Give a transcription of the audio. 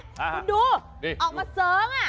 คุณดูออกมาเส้งอ่ะ